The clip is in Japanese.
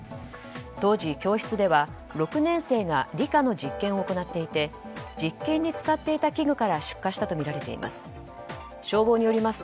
当時、教室では６年生が理科の実験を行っていて実験に使っていた器具から出火したとみられています。